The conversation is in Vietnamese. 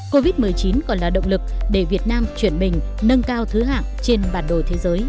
covid một mươi chín còn là động lực để việt nam chuyển mình nâng cao thứ hạng trên bản đồ thế giới